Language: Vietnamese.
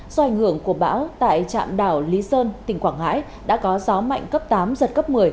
do ảnh hưởng của bão tại trạm đảo lý sơn tỉnh quảng ngãi đã có gió mạnh cấp tám giật cấp một mươi